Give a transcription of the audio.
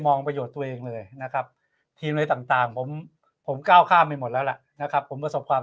ประโยชน์ตัวเองเลยนะครับทีมอะไรต่างผมผมก้าวข้ามไปหมดแล้วล่ะนะครับผมประสบความ